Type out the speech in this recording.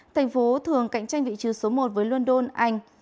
thành phố thường cạnh tranh vị trí số một với london anh